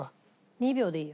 ２秒でいいよ。